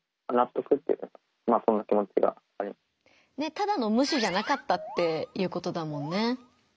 ただの無視じゃなかったっていうことだもんね。